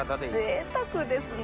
ぜいたくですね。